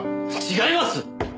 違います！